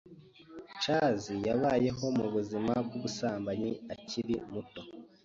Charles yabayeho mubuzima bwubusambanyi akiri muto.